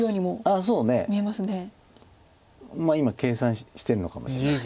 まあ今計算してるのかもしれない。